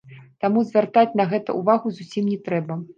Таму звяртаць на гэта ўвагу зусім не трэба.